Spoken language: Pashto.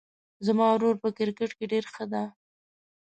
زما ورور په کرکټ کې ډېر ښه ده